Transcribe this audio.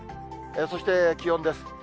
そして気温です。